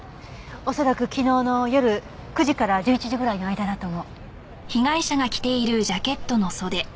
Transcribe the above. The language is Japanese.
恐らく昨日の夜９時から１１時ぐらいの間だと思う。